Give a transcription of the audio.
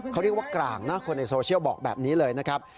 เขาเรียกว่ากลางนะคนในโซเชียลบอกแบบนี้เลยนะครับ